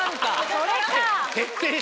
それか。